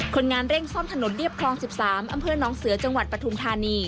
คนงานเร่งซ่อมถนนเรียบคลอง๑๓อำเภอน้องเสือจังหวัดปฐุมธานี